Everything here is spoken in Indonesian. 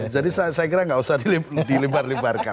jadi saya kira gak usah dilebar lebar